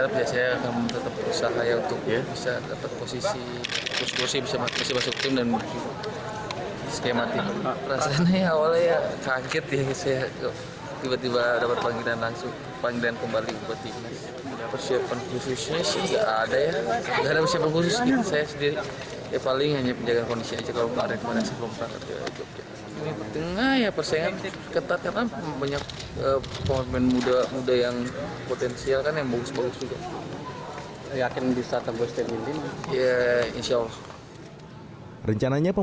pemain yang dipanggil oleh alfred riedel ricky fajrin saputra dan syahroni mengaku tidak ada persiapan khusus untuk menghadapi myanmar